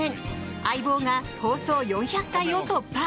「相棒」が放送４００回を突破！